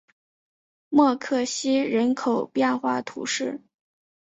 默克西人口变化图示